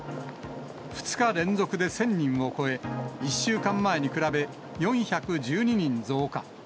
２日連続で１０００人を超え、１週間前に比べ、４１２人増加。